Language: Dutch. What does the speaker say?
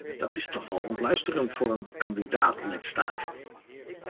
Dat is toch wel ontluisterend voor een kandidaat-lidstaat.